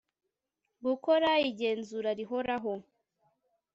gukora ingenzura rihoraho